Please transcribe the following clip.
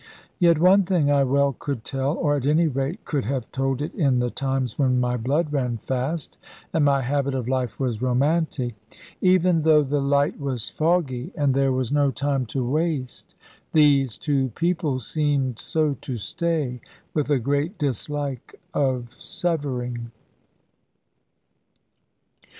Yet one thing I well could tell, or at any rate could have told it in the times when my blood ran fast, and my habit of life was romantic. Even though the light was foggy, and there was no time to waste, these two people seemed so to stay with a great dislike of severing.